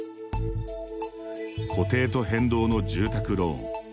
固定と変動の住宅ローン。